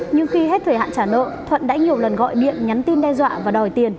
nhưng khi hết thời hạn trả nợ thuận đã nhiều lần gọi điện nhắn tin đe dọa và đòi tiền